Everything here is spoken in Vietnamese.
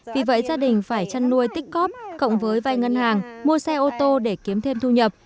vì vậy gia đình phải chăn nuôi tích cóp cộng với vai ngân hàng mua xe ô tô để kiếm thêm thu nhập